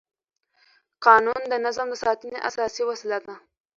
قانون د نظم د ساتنې اساسي وسیله ده.